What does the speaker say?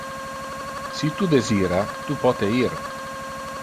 Si tu desira, tu pote ir.